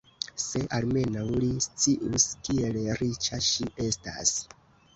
Se almenaŭ li scius, kiel riĉa ŝi estas!